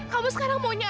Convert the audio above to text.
kamu sekarang maunya apa